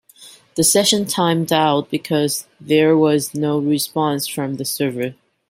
The session timed out because there was no response from the server.